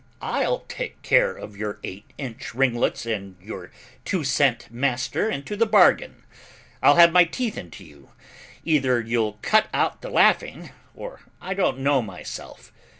I'll take care of your eight inch ringlets and your two cent master into the bargain. I'll have my teeth into you, either you'll cut out the laughing, or I don't know myself.